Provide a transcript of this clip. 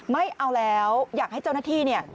ไม่เอาแล้วอยากให้เจ้าหน้าที่เนี่ย